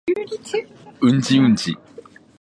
おはようございます、今日の天気は晴れです。